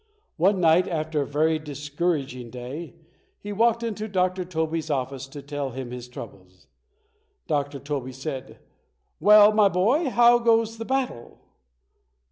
One night after a very discouraging day, he walked into Dr. Tobey's office to tell him his troubles. Dr. Tobey said, "Well, my boy, how goes the battle?"